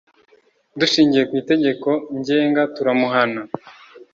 Dushingiye ku Itegeko Ngenga turamuhana